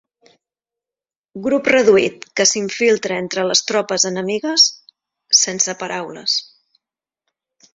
Grup reduït que s'infiltra entre les tropes enemigues, sense paraules.